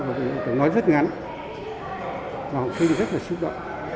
bởi vì tôi nói rất ngắn mà học sinh rất là xúc động